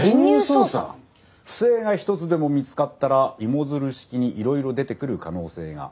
不正が一つでも見つかったら芋づる式にいろいろ出てくる可能性があるでしょ？